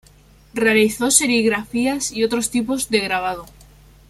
Realizó serigrafías y otros tipos de grabado.